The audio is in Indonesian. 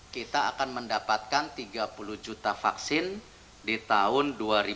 kita akan mendapatkan tiga puluh juta vaksin di tahun dua ribu dua puluh